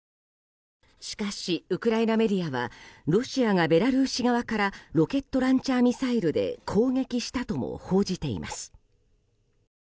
しかし、ウクライナメディアはロシアがベラルーシ側からロケットランチャーミサイルで攻撃したとも報じています。